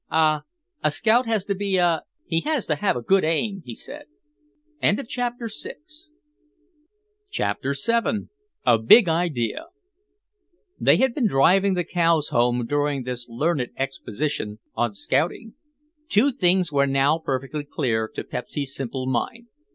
"A—a scout has to be a—he has to have a good aim," he said. CHAPTER VII A BIG IDEA They had been driving the cows home during this learned exposition on scouting. Two things were now perfectly clear to Pepsy's simple mind.